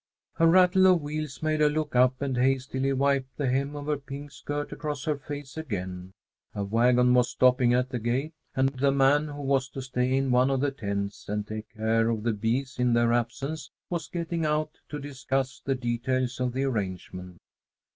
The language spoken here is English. A rattle of wheels made her look up and hastily wipe the hem of her pink skirt across her face again. A wagon was stopping at the gate, and the man who was to stay in one of the tents and take care of the bees in their absence was getting out to discuss the details of the arrangement.